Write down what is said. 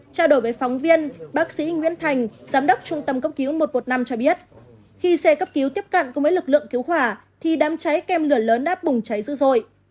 trao đổi với phóng viên bác sĩ nguyễn thành giám đốc trung tâm cấp cứu một trăm một mươi năm cho biết khi xe cấp cứu tiếp cận cùng với lực lượng cứu hỏa thì đám cháy kèm lửa lớn đã bùng cháy dữ dội